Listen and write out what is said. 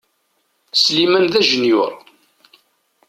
Sliman d ajenyur.